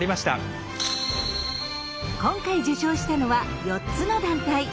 今回受賞したのは４つの団体。